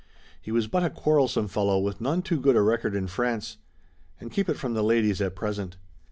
He was but a quarrelsome fellow with none too good a record in France. And keep it from the ladies at present."